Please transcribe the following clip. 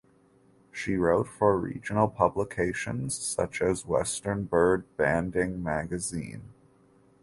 She wrote for regional publications such as "Western Bird Banding Magazine".